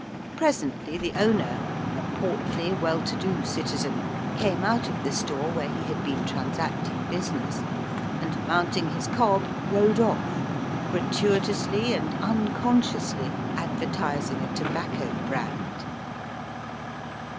Presently the owner, a portly, well to do citizen, came out of the store where he had been transacting business, and mount ing his cob rode off, gratuitously and uncon sciously advertising a tobacco brand.